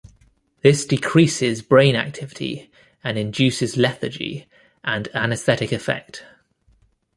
This decreases brain activity and induces lethargy and anaesthetic effect.